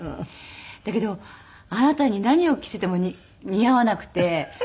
「だけどあなたに何を着せても似合わなくて悲しかった」って。